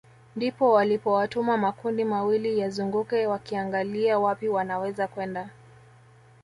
Ndipo walipowatuma makundi mawili yazunguke wakiangalia wapi wanaweza kwenda